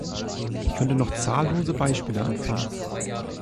Ich könnte noch zahllose Beispiele anführen.